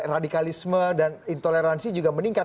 radikalisme dan intoleransi juga meningkat